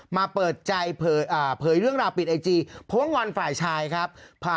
มาเปิดใจเผยเรื่องราวปิดไอจีเพราะว่างอนฝ่ายชายครับ